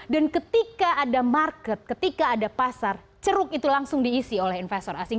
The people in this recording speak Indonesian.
dan ketika ada market ketika ada pasar ceruk itu langsung diisi oleh investor asing